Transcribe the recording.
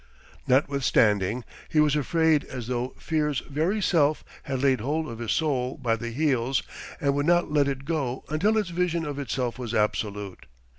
Notwithstanding, he was afraid as though Fear's very self had laid hold of his soul by the heels and would not let it go until its vision of itself was absolute.